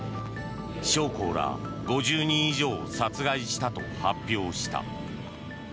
将校ら５０人以上を殺害したと発表した。